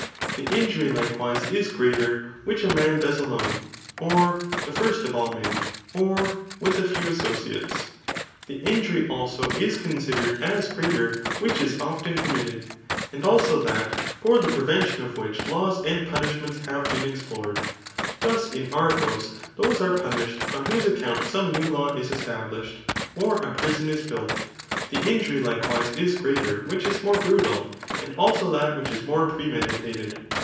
The injury likewise is greater which a man does alone, or the first of all men, or with a few asso ciates. The injury, also, is considered as greater which is often committed. And also that for the prevention of which laws and punishments have been explored. Thut ip . Argos those are punished, on whose accouni some new law is established, or a prison is built. The injury likewise is greater which is more brutal ; and also that wiiich is more premeditated.